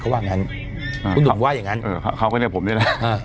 เขาก็ในกับผมใช่ครับ